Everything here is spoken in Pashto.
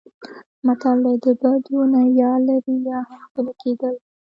متل دی: د بدو نه یا لرې یا هم غلی کېدل.